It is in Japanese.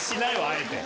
あえて。